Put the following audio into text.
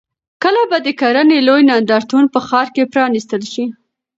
کله به د کرنې لوی نندارتون په ښار کې پرانیستل شي؟